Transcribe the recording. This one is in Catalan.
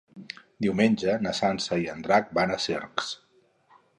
Diumenge na Sança i en Drac van a Cercs.